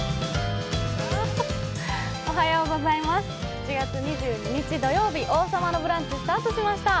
７月２２日土曜日、「王様のブランチ」スタートしました。